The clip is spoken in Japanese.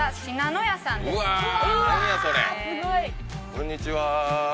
こんにちは。